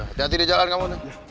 hati hati di jalan kamu